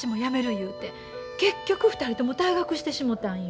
言うて結局２人とも退学してしもたんよ。